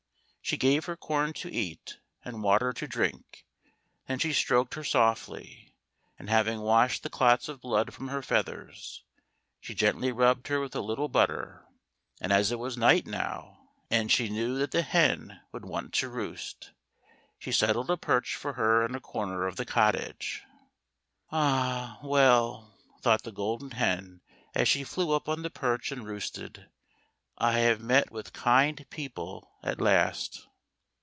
She gave her corn to eat, and water to drink, then she stroked her softly, and having washed the clots of blood from her feathers, she gently rubbed her with a little butter, and as it was night now, and she knew that the hen would want to roost, she settled a perch for her in a corner of the cottage. "Ah, well," thought the Golden Hen, as she flew up on the perch and roosted, " I have met with kind people at last."